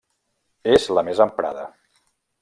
És la més emprada.